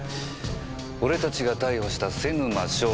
俺たちが逮捕した瀬沼翔。